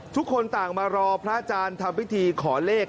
ทุกคนต่างมารอพระอาจารย์ทำพิธีขอเลข